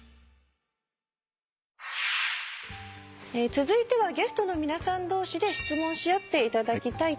続いてはゲストの皆さん同士で質問し合っていただきたいと思います。